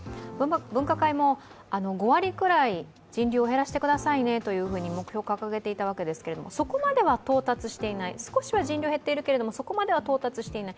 分科会も、５割くらい人流を減らしてくださいねと目標、掲げていたわけですけども少しは人流は減っているけれども、そこまでは到達していない。